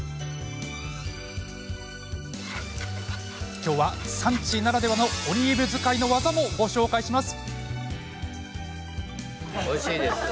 きょうは産地ならではのオリーブ使いの技もご紹介します。